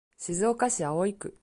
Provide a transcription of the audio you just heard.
静岡市葵区